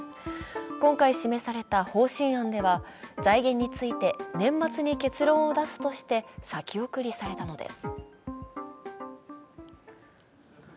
今回示された方針案では財源について年末に結論を出すとして先送りされたのです。